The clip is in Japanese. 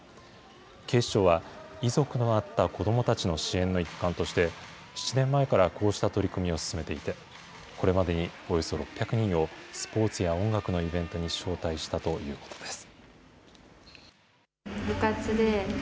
警視庁は、遺族となった子どもたちの支援の一環として、７年前からこうした取り組みを進めていて、これまでにおよそ６００人を、スポーツや音楽のイベントに招待したということです。